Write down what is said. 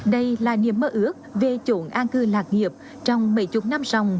đây là niềm mơ ước về chỗ an cư lạc nghiệp trong mấy chục năm rồng